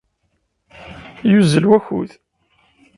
Yuzzel wakud.